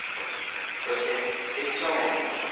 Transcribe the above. そして、知的障がいです。